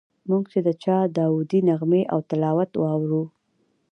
موږ چې د چا داودي نغمې او تلاوت واورو.